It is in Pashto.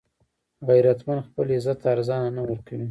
غیرتمند خپل عزت ارزانه نه ورکوي